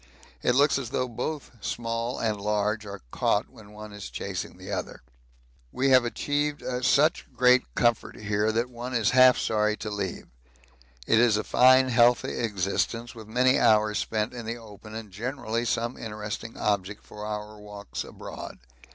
It looks as though both small and large are caught when one is chasing the other. We have achieved such great comfort here that one is half sorry to leave it is a fine healthy existence with many hours spent in the open and generally some interesting object for our walks abroad.